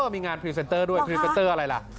มีงานพรีเซ็นเตอร์อะไรล่ะ